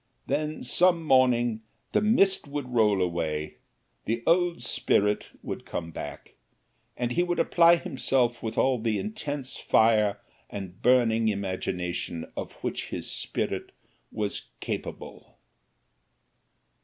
Then some morning the mist would roll away, the old spirit would come back, and he would apply himself with all the intense fire and burning imagination of which his spirit was capable.